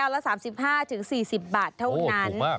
๙ละ๓๕๔๐บาทเท่านั้นถูกมาก